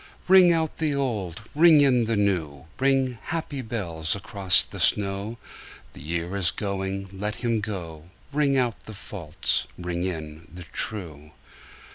Ring out the old, ring in the new, Ring, happy bells, across the snow: The year is going, let him go; Ring out the false, ring in the true.